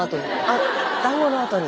だんごのあとに。